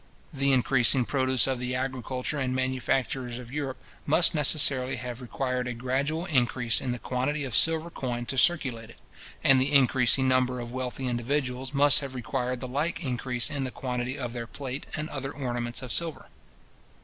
The increasing produce of the agriculture and manufactures of Europe must necessarily have required a gradual increase in the quantity of silver coin to circulate it; and the increasing number of wealthy individuals must have required the like increase in the quantity of their plate and other ornaments of silver.